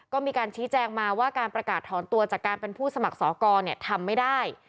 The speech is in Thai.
ก็มีการชี้แจงมาว่าการประกาศถอนตัวจากการเป็นผู้สมัครสอกรทำไม่ได้